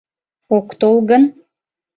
— Ок тол гын?